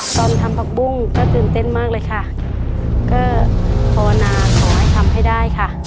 ทำผักบุ้งก็ตื่นเต้นมากเลยค่ะก็ภาวนาขอให้ทำให้ได้ค่ะ